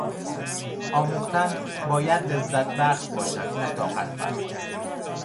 آموختن باید لذت بخش باشد نه طاقت فرسا.